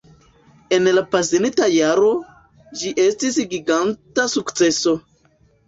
En la pasinta jaro, ĝi estis giganta sukceso